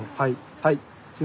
はい。